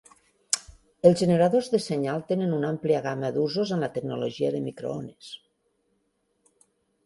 Els generadors de senyal tenen una àmplia gamma d'usos en la tecnologia de microones.